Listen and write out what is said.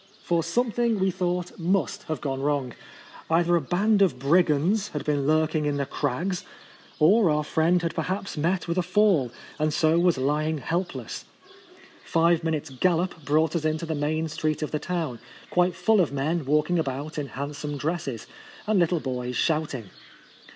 For some thing, we thought, must have gone wrong. Either a band of brigands had been lurking in the crags, or our friend had perhaps met with a fall, and was so lying helpless. Five minutes' gallop brought us into the main street of the town, quite full of men walking about in handsome dresses, and little boys shouting.